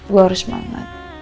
gue harus semangat